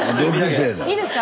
いいですか？